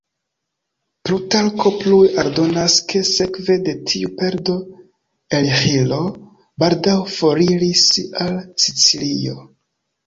Plutarko plue aldonas ke sekve de tiu perdo Esĥilo baldaŭ foriris al Sicilio.